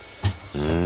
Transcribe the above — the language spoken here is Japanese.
うん。